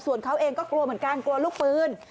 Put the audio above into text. ส่วนเขาเองก็กลัวเหมือนกันกลัวลูกปืน